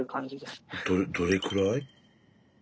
どれくらい？